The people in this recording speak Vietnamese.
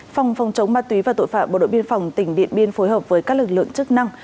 phòng phòng chống ma túy và tội phạm bộ đội biên phòng tỉnh điện biên phối hợp với các lực lượng chức năng